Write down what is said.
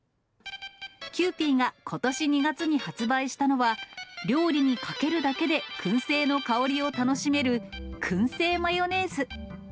キユーピーがことし２月に発売したのは、料理にかけるだけでくん製の香りを楽しめる、燻製マヨネーズ。